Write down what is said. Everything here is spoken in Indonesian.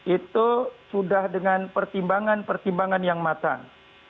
itu sudah dengan pertimbangan pertimbangan yang matang